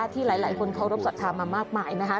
ที่หลายคนเคารพสัทธามามากมายนะคะ